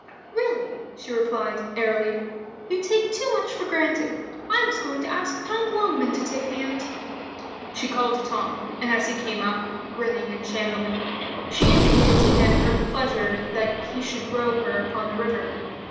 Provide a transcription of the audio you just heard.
"Really," she replied, airily, "you take too much for granted. I was going to ask Tom Longman to take me out." She called to Tom, and as he came up, grinning and shambling, she indicated to him her pleasure that he should row her upon the river.